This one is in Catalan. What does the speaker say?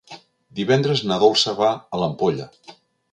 Divendres na Dolça va a l'Ampolla.